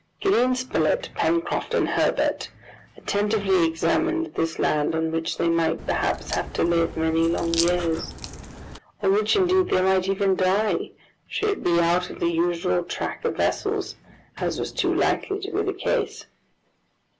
Gideon Spilett, Pencroft, and Herbert attentively examined this land, on which they might perhaps have to live many long years; on which indeed they might even die, should it be out of the usual track of vessels, as was likely to be the case.